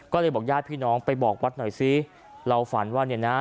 ก็เลยบอกญาติพี่น้องไปบอกวัดหน่อยซิเราฝันว่าเนี่ยนะ